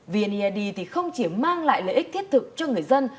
vneid không chỉ mang lại lợi ích thiết thực cho người dân